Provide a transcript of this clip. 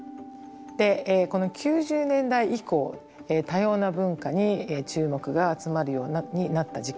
この９０年代以降多様な文化に注目が集まるようになった時期。